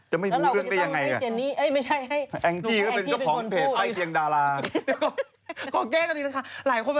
จะไม่รู้เรื่องเป้ยังไงกัน